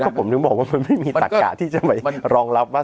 ผมถึงบอกว่ามันไม่มีตักกะที่จะไปรองรับว่า